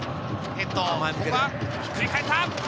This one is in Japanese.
ひっくり返った！